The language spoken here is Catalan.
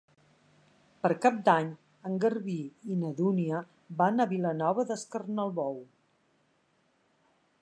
Per Cap d'Any en Garbí i na Dúnia van a Vilanova d'Escornalbou.